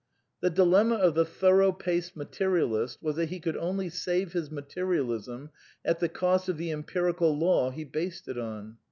"" The dilemma of the t horough paced material ist was that he could only save his materialism at tlie cost of the em pirical law he based it on.